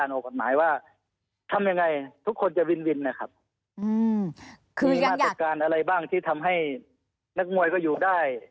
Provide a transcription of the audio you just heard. ประจัดการอะไรบ้างที่ทำให้นักมวยก็อยู่ได้